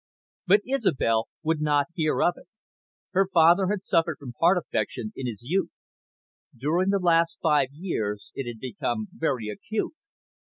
But Isobel would not hear of it. Her father had suffered from heart affection in his youth. During the last five years it had become very acute.